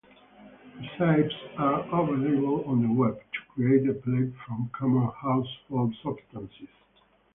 Recipes are available on the web, to create a plate from common household substances.